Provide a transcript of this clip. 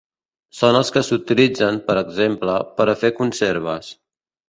Són els que s'utilitzen, per exemple, per a fer conserves.